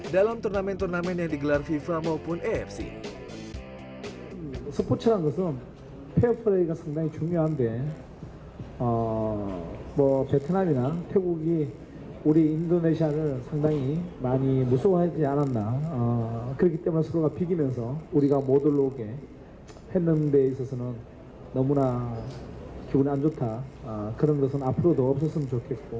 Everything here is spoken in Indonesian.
dalam turnamen turnamen yang digelar fifa maupun afc